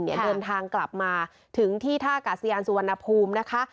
เดินทางกลับมาถึงที่ท่ากาศยานสุวรรณภูมินะคะ